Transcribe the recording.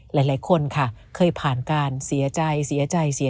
หลายคนค่ะเคยผ่านการเสียใจ